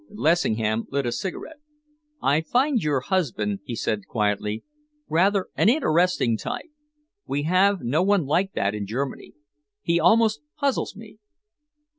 Lessingham lit a cigarette. "I find your husband," he said quietly, "rather an interesting type. We have no one like that in Germany. He almost puzzles me."